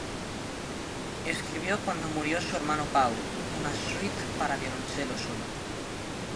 Escribió, cuando murió su hermano Pau, una "Suite" para violoncelo solo.